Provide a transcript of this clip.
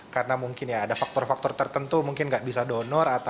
karena mungkin ada faktor faktor tertentu mungkin tidak bisa dono